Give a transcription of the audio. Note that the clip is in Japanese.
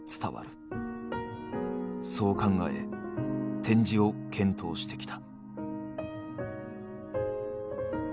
そう考え展示を検討してきた。